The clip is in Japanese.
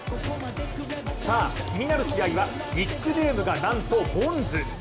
さあ、気になる試合はニックネームがなんとボンズ。